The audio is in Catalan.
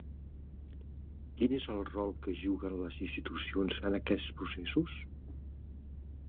Quin és el rol que juguen les institucions en aquests processos?